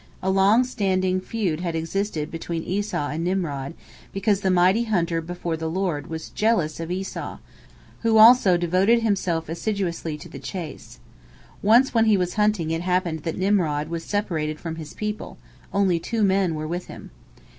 A long standing feud had existed between Esau and Nimrod, because the mighty hunter before the Lord was jealous of Esau, who also devoted himself assiduously to the chase. Once when he was hunting it happened that Nimrod was separated from his people, only two men were with him.